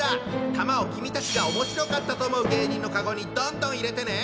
玉を君たちがおもしろかったと思う芸人のカゴにどんどん入れてね！